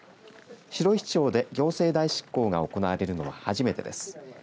白石町で行政代執行が行われるのは初めてです。